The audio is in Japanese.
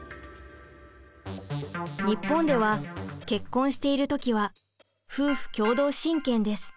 日本では結婚している時は夫婦共同親権です。